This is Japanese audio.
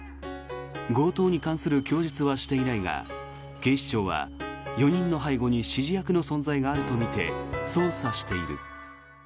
強盗に関する供述はしていないが警視庁は４人の背後に指示役の存在があるとみて捜査している。